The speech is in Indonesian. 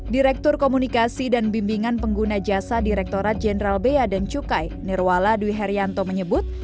direktur komunikasi dan bimbingan pengguna jasa direkturat jenderal bea dan cukai nirwala dwi herianto menyebut